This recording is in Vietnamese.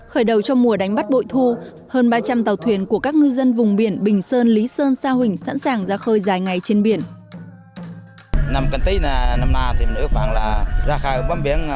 khởi đầu trong mùa đánh bắt bội thu hơn ba trăm linh tàu thuyền của các ngư dân vùng biển bình sơn lý sơn sa huỳnh sẵn sàng ra khơi dài ngày trên biển